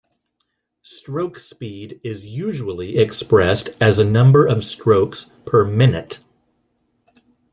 Stroke speed is usually expressed as a number of strokes per minute.